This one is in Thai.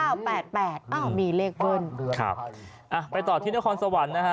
อ้าวมีเลขเบิ่นครับไปต่อที่นครสวรรค์นะฮะ